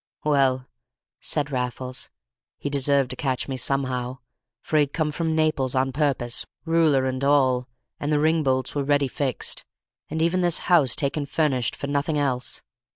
"Well," said Raffles, "he deserved to catch me somehow, for he'd come from Naples on purpose, ruler and all, and the ring bolts were ready fixed, and even this house taken furnished for nothing else!